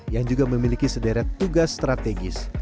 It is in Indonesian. yang juga memiliki sederet tugas strategis